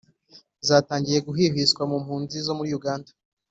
zatangiye guhwihwiswa mu mpunzi zo muri uganda,